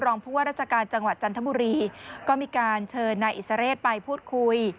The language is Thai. ผู้ว่าราชการจังหวัดจันทบุรีก็มีการเชิญนายอิสระเรศไปพูดคุย